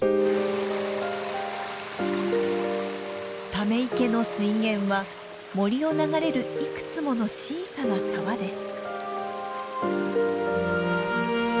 ため池の水源は森を流れるいくつもの小さな沢です。